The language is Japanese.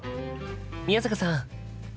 宮坂さん。